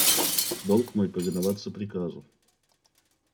– Долг мой повиноваться приказу.